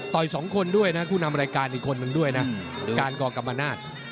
สองคนด้วยนะผู้นำรายการอีกคนนึงด้วยนะการก่อกรรมนาศ